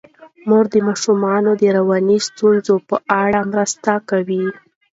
مور د ماشومانو د رواني ستونزو په اړه مرسته کوي.